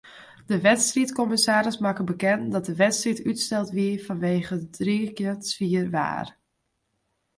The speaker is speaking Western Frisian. De wedstriidkommissaris makke bekend dat de wedstriid útsteld wie fanwege driigjend swier waar.